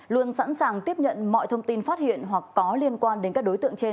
luôn sẵn sàng tiếp nhận mọi thông tin phát hiện hoặc có liên quan đến các đối tượng trên